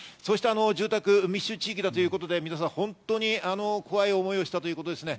住宅密集地域だということで皆さん本当に怖い思いをしたということです。